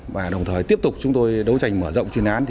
và đồng thời tiếp tục chúng tôi đấu tranh mở rộng chuyên án